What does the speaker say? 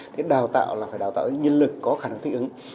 cái đào tạo là phải đào tạo nhân lực có khả năng thích ứng